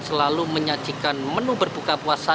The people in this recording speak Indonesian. selalu menyajikan menu berbuka puasa